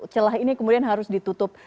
celah ini kemudian harus ditutup